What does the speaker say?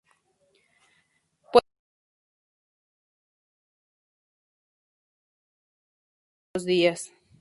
Puede propagarse con extraordinaria rapidez y atravesar todo un continente en dos días.